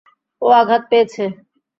ও আঘাত পেয়েছে।